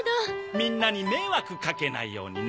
みんなに迷惑かけないようにね。